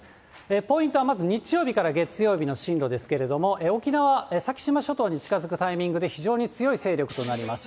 ポイントはまず日曜日から月曜日の進路ですけれども、沖縄、先島諸島に近づくタイミングで、非常に強い勢力となります。